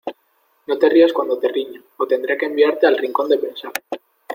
No te rías cuando te riño o tendré que enviarte al rincón de pensar.